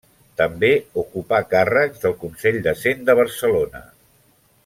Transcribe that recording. També ocupà càrrecs del Consell de Cent de Barcelona.